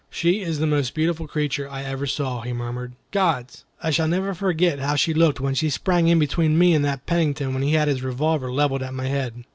"She is the most beautiful creature I ever saw," he murmured. "Gods! I shall never forget how she looked when she sprang in between me and that Pennington when he had his revolver levelled at my head."